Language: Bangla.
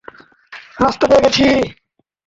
রাস্তা পেয়ে গেছি।